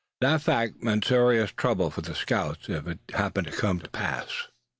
That fact meant serious trouble for the scouts, if it happened to come to pass.